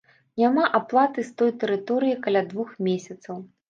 Няма аплаты з той тэрыторыі каля двух месяцаў.